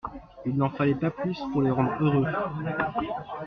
Il n’en fallait pas plus pour les rendre heureux.